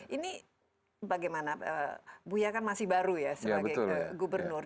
ini bagaimana buya kan masih baru ya sebagai gubernur